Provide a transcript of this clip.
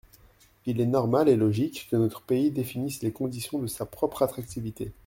Il est normal et logique que notre pays définisse les conditions de sa propre attractivité.